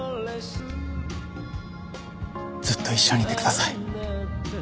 ずっと一緒にいてください。